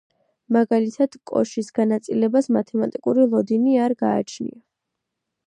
მაგალითად, კოშის განაწილებას მათემატიკური ლოდინი არ გააჩნია.